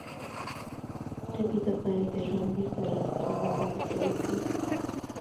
ټپي ته باید د ژوند بېرته راستنولو هڅه وکړو.